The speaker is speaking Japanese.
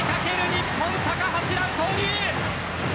日本高橋藍投入。